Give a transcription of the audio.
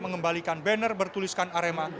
mengembalikan banner bertuliskan arema